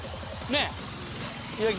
ねえ！